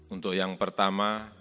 untuk yang pertama